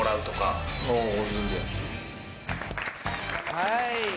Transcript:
はい。